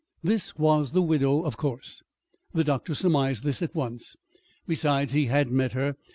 This was the widow, of course. The doctor surmised this at once. Besides, he had met her.